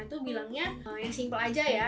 itu bilangnya yang simpel aja ya